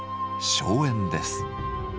荘園です。